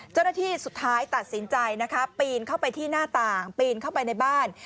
เจ้าหน้าที่สุดท้ายตัดสินใจนะคะปีนเข้าไปที่หน้าต่างปีนเข้าไปในบ้าน